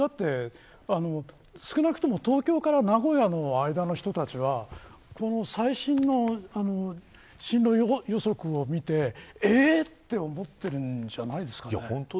少なくとも東京から名古屋の間の人たちは最新の進路予測を見てえーって思っているんじゃないですかね。